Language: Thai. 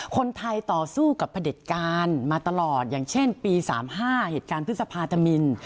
คนไทยต่อสู้กับพระเด็จการมาตลอดอย่างเช่นปี๓๕เหตุการณ์พฤษภาธมิน